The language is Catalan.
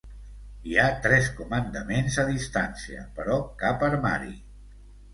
Hi ha tres comandaments a distància, però cap armari.